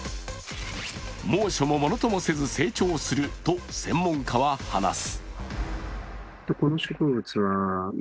猛暑もものともせず、成長すると専門家は話す。